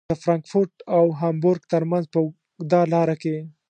د فرانکفورت او هامبورګ ترمنځ په اوږده لاره کې.